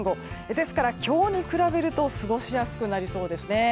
ですから、今日に比べると過ごしやすくなりそうですね。